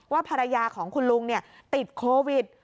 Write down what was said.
ว่าภรรยาของคุณลุงเนี่ยติดโควิด